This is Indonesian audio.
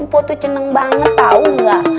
mpo tuh ceneng banget tau gak